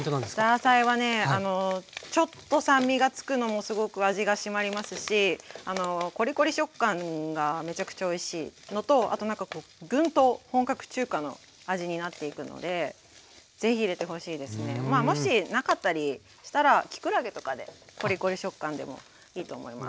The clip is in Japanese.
ザーサイはねちょっと酸味がつくのもすごく味が締まりますしコリコリ食感がめちゃくちゃおいしいのとあとなんかぐんと本格中華の味になっていくので是非入れてほしいですね。もしなかったりしたらきくらげとかでコリコリ食感でもいいと思います。